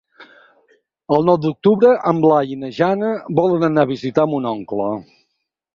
El nou d'octubre en Blai i na Jana volen anar a visitar mon oncle.